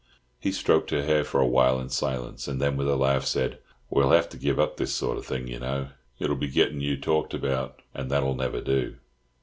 He stroked her hair for a while in silence, and then, with a laugh, said, "We'll have to give up this sort of thing, you know; it'll be getting you talked about, and that'll never do."